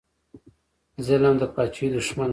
ظلم د پاچاهۍ دښمن دی